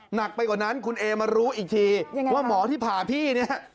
หนักไปกว่านั้นคุณเอมารู้อีกทีว่าหมอที่ผ่าพี่เนี่ย